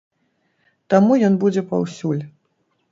Таму ён будзе паўсюль.